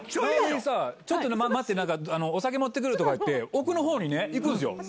ちょっと待って、お酒持ってくるとか言って、奥のほうにね、行くんですよ。